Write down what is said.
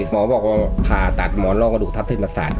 หมอบอกว่าผ่าตัดหมอนร่องกระดูกทัศนิษฐศัตริย์